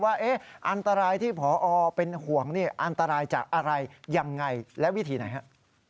ว่าอันตรายที่พอเป็นห่วงนี่อันตรายจากอะไรยังไงและวิธีไหนฮะ